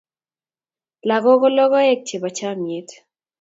lagok ko logoek chebo chamiet.